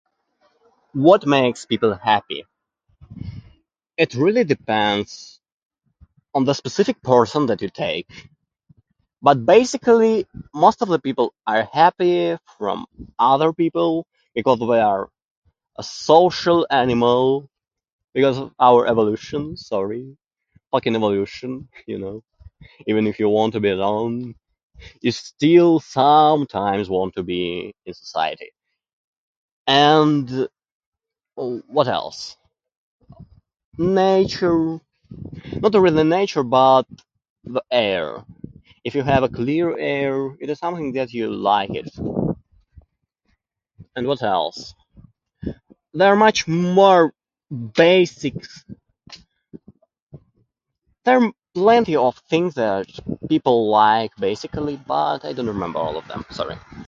What makes people happy? It really depends on the specific person that you take. But basically, most of the people are happy from other people, because they are a social animal. Because our evolution. Sorry, talking evolution, you know? Even if you want to be alone, you still sometimes want to be inside it. And what else? Nature... not really nature, but the air. If you have clear air it is something that you like it. And what else? There much more basics... there plenty of things the are- people like, basically. But I don't remember all of them, sorry.